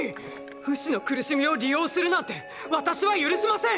フシの苦しみを利用するなんて私は許しません！！